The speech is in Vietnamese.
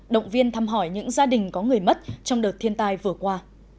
động viên thăm hỏi những gia đình có người mất trong đợt thiên tai vừa qua